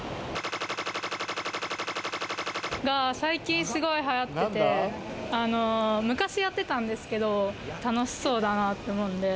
が最近すごい流行ってて、昔やってたんですけど、楽しそうだなって思うので。